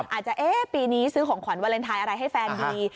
อาจจะเอ๊ะปีนี้ซื้อของขวัญวาเลนไทยอะไรให้แฟนดี